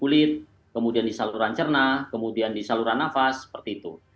mudah terserap di kulit kemudian di saluran cernah kemudian di saluran nafas seperti itu